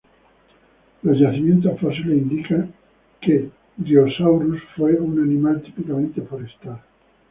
Los yacimientos fósiles indican que "Dryosaurus" fue un animal típicamente forestal.